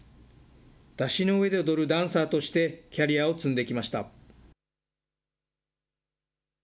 山車の上で踊るダンサーとしてキャリアを積んできました。